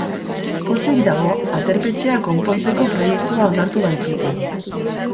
Pozik dago, aterpetxea konpontzeko proiektua onartu baitute.